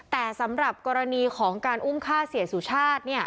แต่สำหรับกรณีของการอุ้มฆ่าเสียสุชาติ